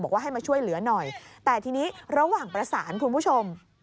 ว่าให้มาช่วยเหลือหน่อยแต่ทีนี้ระหว่างประสานคุณผู้ชม